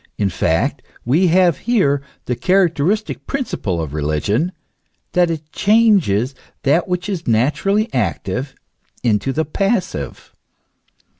In fact, we have here the charac teristic principle of religion, that it changes that which is natu rally active into the passive.